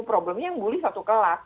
problemnya yang bully satu kelas